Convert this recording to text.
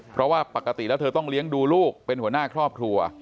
เพราะว่าปกติแล้วเธอต้องเลี้ยงดูลูกเป็นหัวหน้าครอบครัว